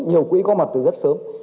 nhiều quỹ có mặt từ rất sớm